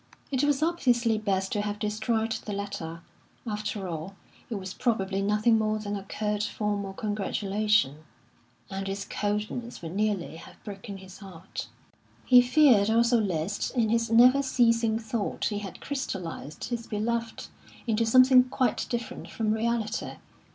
It was obviously best to have destroyed the letter. After all, it was probably nothing more than a curt, formal congratulation, and its coldness would nearly have broken his heart. He feared also lest in his never ceasing thought he had crystallised his beloved into something quite different from reality.